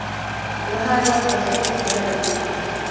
له هر راز تشدد څخه ډډه کیږي.